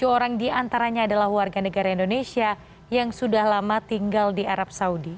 tiga ratus dua puluh tujuh orang diantaranya adalah warga negara indonesia yang sudah lama tinggal di arab saudi